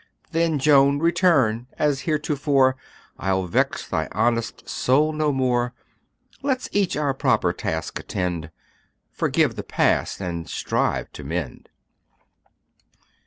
Then, Joan, return, as heretofore, I'll vex thy honest soul no more; Let's each our proper task attend Forgive the past, and strive to mend."